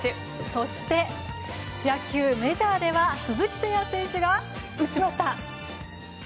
そして、野球、メジャーでは鈴木誠也選手が打ちました。